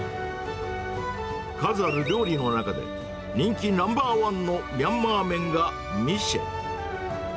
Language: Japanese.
数ある料理の中で、人気ナンバーワンのミャンマー麺がミシェ。